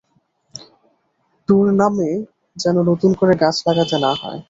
তোর নামে যেন নতুন করে গাছ লাগাতে না হয়।